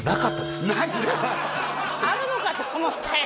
ないんだあるのかと思ったよ